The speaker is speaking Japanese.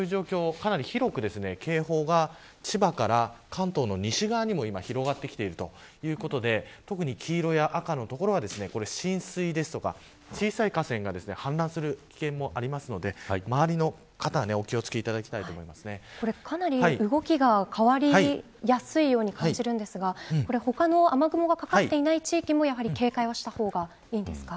かなり広く、警報が千葉から関東の西側にも広がってきているということで特に黄色や赤の所は浸水だとか小さい河川が氾濫する危険もあるので周りの方はかなり動きが変わりやすいように感じますが他の雨雲がかかっていない地域も警戒した方がいいんですか。